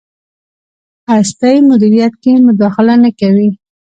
هستۍ مدیریت کې مداخله نه کوي.